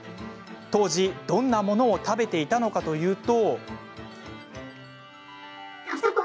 当時どんなものを食べていたかというと。